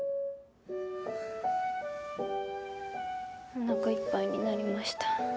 おなかいっぱいになりました。